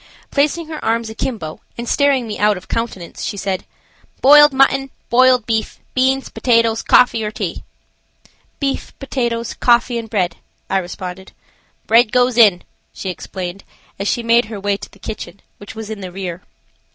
Placing her arms akimbo and staring me out of countenance she said: "Boiled mutton, boiled beef, beans, potatoes, coffee or tea?" "Beef, potatoes, coffee and bread," I responded. "Bread goes in," she explained, as she made her way to the kitchen, which was in the rear.